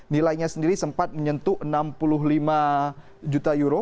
nilainya sendiri sempat menyentuh enam puluh lima juta euro